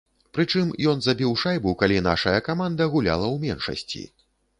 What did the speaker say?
Прычым ён забіў шайбу, калі нашая каманда гуляла ў меншасці.